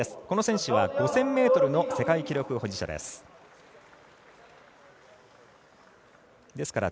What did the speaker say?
この選手は５０００ｍの世界記録保持者です。